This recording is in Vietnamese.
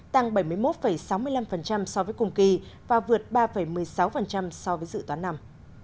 tăng bảy mươi một sáu mươi năm so với cùng kỳ và vượt ba một mươi sáu so với dự toán năm